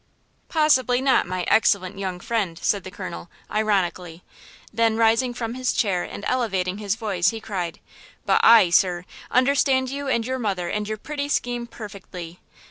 "Possibly not, my excellent young friend," said the colonel, ironically; then, rising from his chair and elevating his voice, he cried, "but I, sir, understand you and your mother and your pretty scheme perfectly!